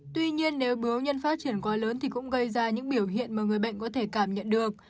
tuy nhiên nếu bưu nhân phát triển quái lớn thì cũng gây ra những biểu hiện mà người bệnh có thể cảm nhận được